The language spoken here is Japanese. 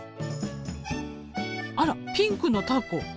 あらピンクのたこ。